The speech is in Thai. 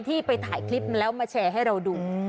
ที่ไปถ่ายคลิปแล้วมาแชร์ให้เราดู